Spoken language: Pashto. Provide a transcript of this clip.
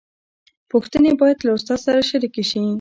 پوښتنې باید له استاد سره شریکې شي.